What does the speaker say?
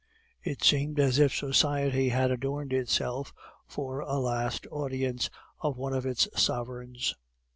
It seemed as if society had adorned itself for a last audience of one of its sovereigns.